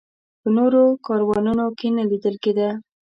په نورو کاروانونو کې نه لیدل کېده.